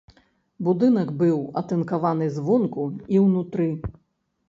Будынак быў атынкаваны звонку і ўнутры.